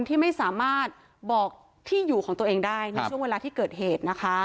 ที่ไม่สามารถบอกที่อยู่ของตัวเองได้ในช่วงเวลาที่เกิดเหตุนะคะ